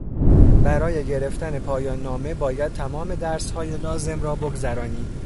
برای گرفتن پایاننامه باید تمام درسهای لازم را بگذرانی.